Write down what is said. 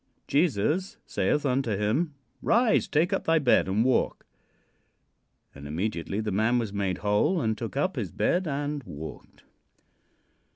"Jesus saith unto him: 'Rise, take up thy bed and walk.' "And immediately the man was made whole and took up his bed and walked."